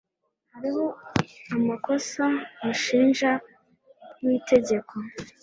Hariho amakosa mu mushinga w'itegeko